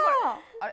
あれ？